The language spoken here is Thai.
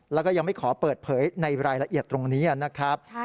แล้วก็ยังไม่ขอเปิดเผยในรายละเอียดตรงนี้นะครับ